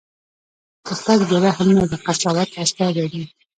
توپک د رحم نه، د قساوت استازی دی.